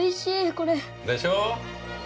これ。でしょう？